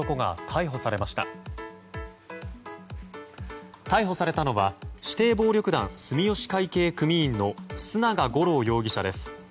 逮捕されたのは指定暴力団住吉会系組員の須永五郎容疑者です。